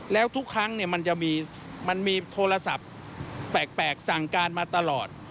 แล้วทุกครั้งมันจะมีโทรศัพท์แปลกสั่งการมาตลอด